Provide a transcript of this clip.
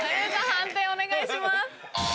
判定お願いします。